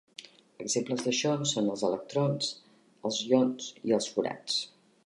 Exemples d'això són els electrons, els ions i els forats.